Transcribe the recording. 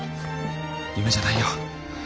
夢じゃないよ。